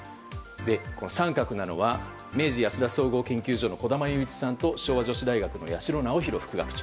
△なのは明治安田総合研究所の小玉祐一さんと昭和女子大学の八代尚宏副学長。